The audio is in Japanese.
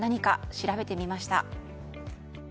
調べてみました。